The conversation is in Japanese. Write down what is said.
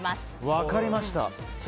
分かりました。